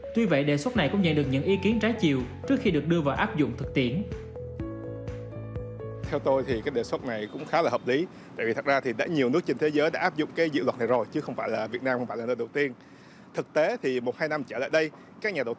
tuy vậy đề xuất này cũng nhận được những ý kiến trái chiều trước khi được đưa vào áp dụng thực tiễn